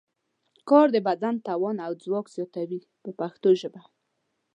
کار د بدن توان او ځواک زیاتوي په پښتو ژبه.